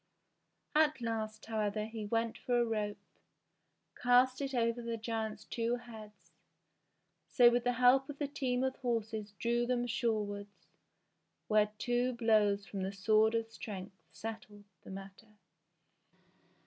At last, however, he went for a rope, cast it over the giant's two heads, so with the help of a team JACK THE GIANT KILLER 99 of horses drew them shorewards, where two blows from the sword of strength settled the matter.